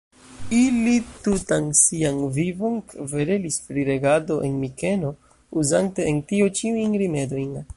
Ili tutan sian vivon kverelis pri regado en Mikeno, uzante en tio ĉiujn rimedojn.